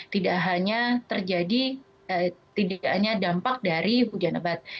tidak hanya terjadi dampak dari hujan abad